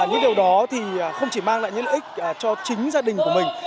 những điều đó thì không chỉ mang lại những lợi ích cho chính gia đình của mình